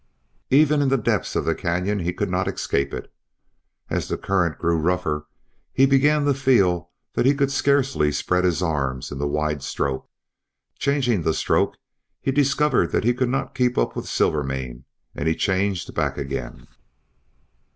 Even in the depths of the canyon he could not escape it. As the current grew rougher he began to feel that he could scarcely spread his arms in the wide stroke. Changing the stroke he discovered that he could not keep up with Silvermane, and he changed back again.